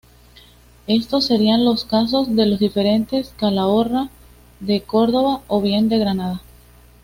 Estos serían los casos de los diferentes "Calahorra", de Córdoba o bien de Granada.